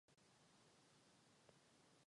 Je řízena Okresním fotbalovým svazem Znojmo.